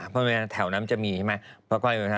เพราะมันแถวนั้นจะมีใช่ไหม